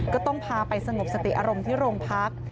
ก็ต้องพาไปสงบสติอารมณ์ที่โรงพัก